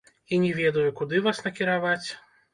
І не ведаю, куды вас накіраваць.